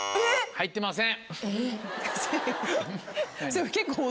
入ってません。